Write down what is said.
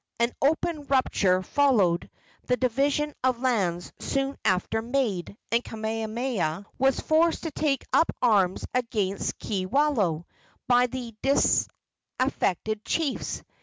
An open rupture followed the division of lands soon after made, and Kamehameha was forced to take up arms against Kiwalao by the disaffected chiefs.